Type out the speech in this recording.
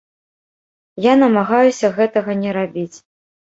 Я намагаюся гэтага не рабіць.